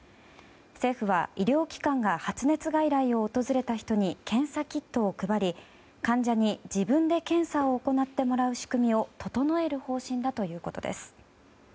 政府は、医療機関が発熱外来を訪れた人に検査キットを配り患者に自分で検査を行ってもらう仕組みを整える方針だということです。